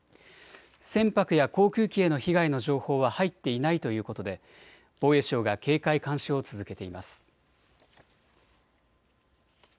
船舶や航空機への被害の情報は入っていないということで防衛省が警戒・監視を続けています。